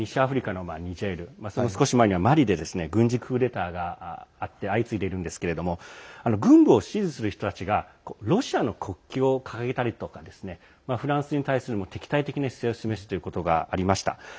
最近でも西アフリカや少し前ではマリで軍事クーデターが相次いでいるんですけども軍部を支持する人たちがロシアの国旗を掲げたりとかフランスに対する敵対的な姿勢を示すことがありました。